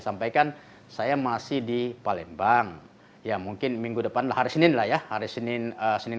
sampaikan saya masih di palembang ya mungkin minggu depan hari senin lah ya hari senin senin